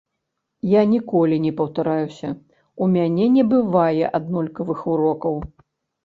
Я ніколі не паўтараюся, у мяне не бывае аднолькавых урокаў.